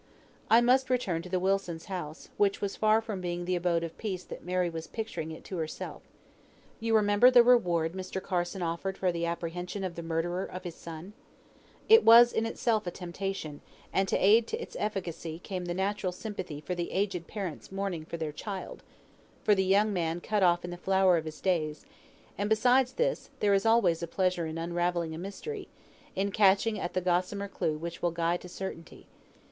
I must return to the Wilsons' house, which was far from being the abode of peace that Mary was picturing it to herself. You remember the reward Mr. Carson offered for the apprehension of the murderer of his son? It was in itself a temptation, and to aid its efficacy came the natural sympathy for the aged parents mourning for their child, for the young man cut off in the flower of his days; and besides this, there is always a pleasure in unravelling a mystery, in catching at the gossamer clue which will guide to certainty.